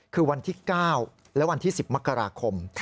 คือวันที่๙และวันที่๑๐มกราคม